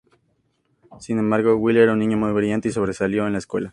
Sin embargo, Will era un niño muy brillante y sobresalió en la escuela.